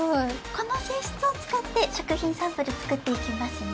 このせいしつをつかって食品サンプルつくっていきますね。